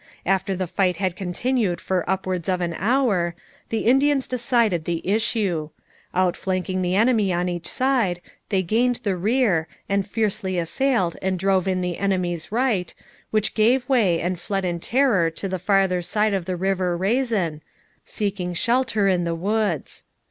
After the fight had continued for upwards of an hour, the Indians decided the issue. Outflanking the enemy on each side, they gained the rear, and fiercely assailed and drove in the enemy's right, which gave way and fled in terror to the farther side of the river Raisin, seeking shelter in the woods.